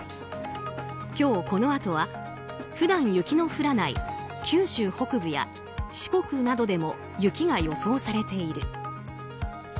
今日、このあとは普段雪の降らない九州北部や四国などでも雪が予想されている。